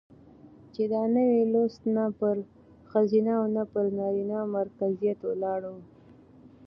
چې دا نوى لوست نه پر ښځينه او نه پر نرينه مرکزيت ولاړ و،